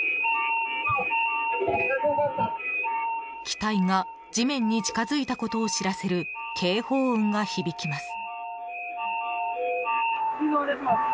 機体が地面に近づいたことを知らせる警報音が響きます。